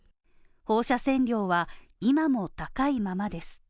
放射線量は今も高いままです。